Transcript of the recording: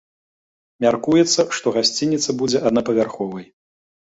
Мяркуецца, што гасцініца будзе аднапавярховай.